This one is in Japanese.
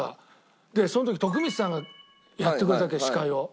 その時徳光さんがやってくれたわけ司会を。